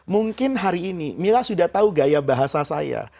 mungkin hari ini mila sudah tahu gaya bahasa saya